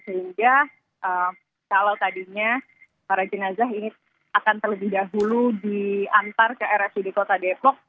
sehingga kalau tadinya para jenazah ini akan terlebih dahulu diantar ke rsud kota depok